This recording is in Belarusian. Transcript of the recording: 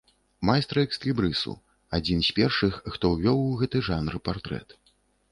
Майстра экслібрысу, адзін з першых, хто ўвёў у гэты жанр партрэт.